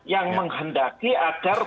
yang menghendaki agar